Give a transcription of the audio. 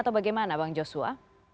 atau bagaimana bang joshua